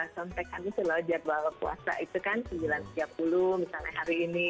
sampai habis loh jadwal puasa itu kan sembilan tiga puluh misalnya hari ini